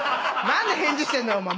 何で返事してんだよお前。